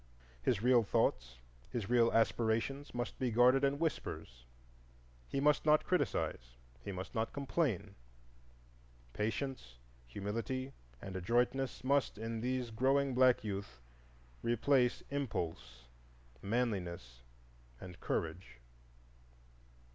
His real thoughts, his real aspirations, must be guarded in whispers; he must not criticise, he must not complain. Patience, humility, and adroitness must, in these growing black youth, replace impulse, manliness, and courage.